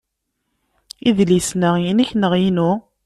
Idlisen-a, inek neɣ inu?